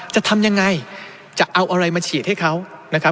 จะทำยังไงจะเอาอะไรมาฉีดให้เขานะครับ